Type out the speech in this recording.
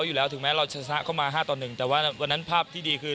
อยู่แล้วถึงแม้เราชนะเข้ามา๕ต่อ๑แต่ว่าวันนั้นภาพที่ดีคือ